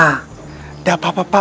tidak apa apa pak